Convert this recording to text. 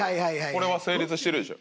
これは成立してるでしょ。